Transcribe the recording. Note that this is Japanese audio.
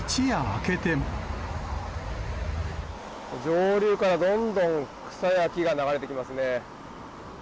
上流からどんどん草や木が流れてきますね。